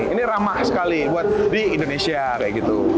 ini ramah sekali buat di indonesia kayak gitu